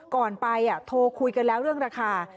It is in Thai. ก่อนไปโทรคุยกันแล้วเรื่องราคา